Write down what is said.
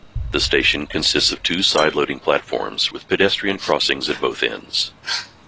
The station consists of two side-loading platforms with pedestrian crossings at both ends.